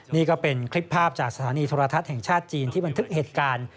นี่ก็เป็นคลิปภาพจากสถานีโทรทัศน์แห่งชาติจีนที่บันทึกเหตุการณ์